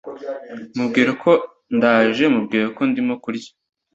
mubwire ko ndaje. mubwire ko ndimo kurya